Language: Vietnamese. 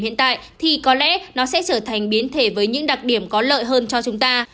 hiện tại thì có lẽ nó sẽ trở thành biến thể với những đặc điểm có lợi hơn cho chúng ta